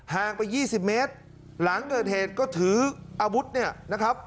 ห่างไป๒๐เมตรหลังเกิดเผชก็ทืออาบุตเนี่ยนะครับ